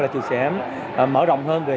là chia sẻ mở rộng hơn về